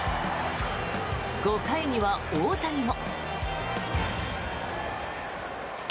５回には、大谷も。